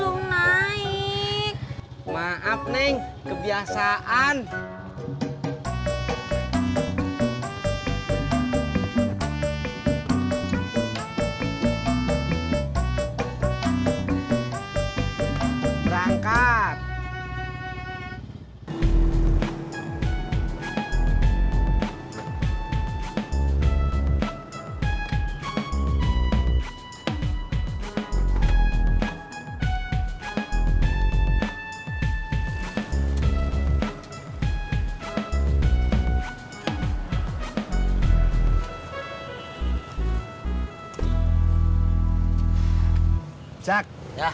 justin yang pilih makananak